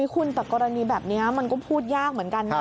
คุณแต่กรณีแบบนี้มันก็พูดยากเหมือนกันนะ